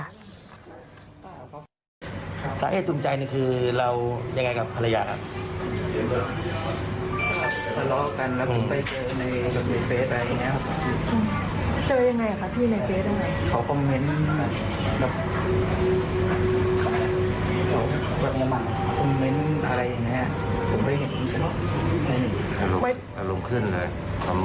สายตุมใจคือเรายังไงกับภรรยาล่ะ